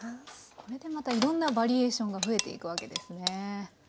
これでまたいろんなバリエーションが増えていくわけですね。